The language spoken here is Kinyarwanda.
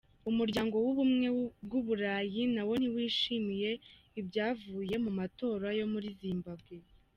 Umuryango w’ubumwe bw’Uburayi nawo ntiwishimiye ibyavuye mu matora yo muri Zimbabwe.